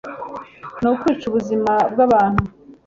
ni ukwica ubuzima bw'abantu